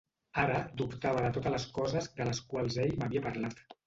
Ara dubtava de totes les coses de les quals ell m'havia parlat.